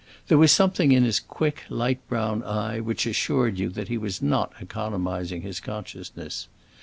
There was something in his quick, light brown eye which assured you that he was not economizing his consciousness.